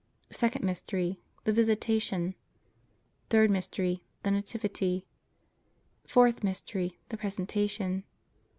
Second Mystery. The Visitation. Third Mystery. The Nativity. Fourth Mystery. The Presentation.